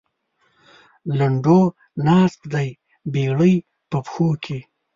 لنډو ناست دی بېړۍ په پښو کې.